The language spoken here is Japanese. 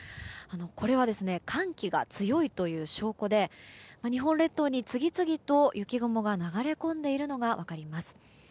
これは寒気が強いという証拠で日本列島に次々と雪雲が流れ込んでいるのが分かります。